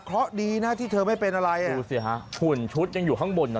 เพราะดีนะที่เธอไม่เป็นอะไรอ่ะดูสิฮะหุ่นชุดยังอยู่ข้างบนนะ